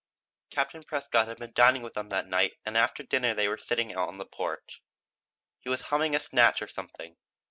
Captain Prescott had been dining with them that night and after dinner they were sitting out on the porch. He was humming a snatch of something.